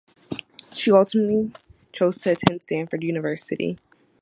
She ultimately chose to attend Stanford University.